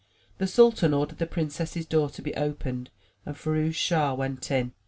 The sultan ordered the princess's door to be opened and Firouz Schah went in.